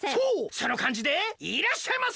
そのかんじでいらっしゃいませ！